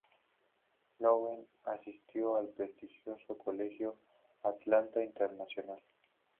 Lowell asistió al prestigioso colegio Atlanta International.